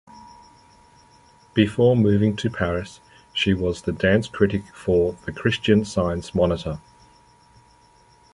Before moving to Paris she was the dance critic for "The Christian Science Monitor".